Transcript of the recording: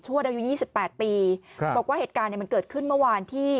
ชั่วอายุ๒๘ปีบอกว่าเหตุการณ์มันเกิดขึ้นเมื่อวานที่